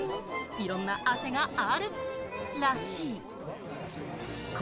いろんな汗があるらしい。